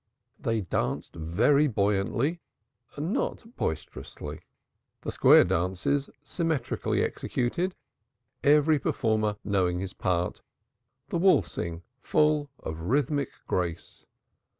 They danced very buoyantly, not boisterously; the square dances symmetrically executed, every performer knowing his part; the waltzing full of rhythmic grace.